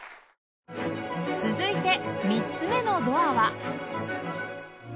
続いて３つ目のドアは